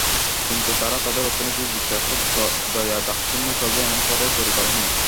কিন্তু তাঁরা তাদের অর্থনীতি যুক্তরাষ্ট্রের দয়া দাক্ষিণ্যে চলবে এমন করে তৈরি করেননি।